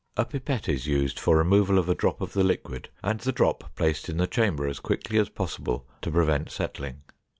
A pipette is used for removal of a drop of the liquid and the drop placed in the chamber as quickly as possible to prevent settling.